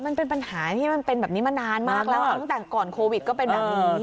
มันเป็นปัญหาที่มันเป็นแบบนี้มานานมากแล้วตั้งแต่ก่อนโควิดก็เป็นแบบนี้